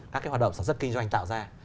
các cái hoạt động sản xuất kinh doanh tạo ra